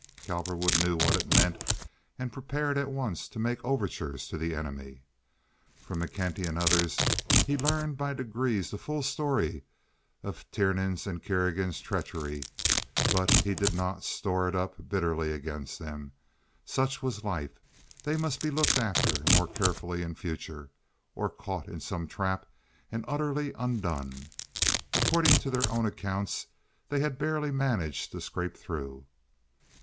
Cowperwood knew what it meant and prepared at once to make overtures to the enemy. From McKenty and others he learned by degrees the full story of Tiernan's and Kerrigan's treachery, but he did not store it up bitterly against them. Such was life. They must be looked after more carefully in future, or caught in some trap and utterly undone. According to their own accounts, they had barely managed to scrape through.